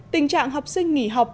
tình trạng học sinh nghỉ học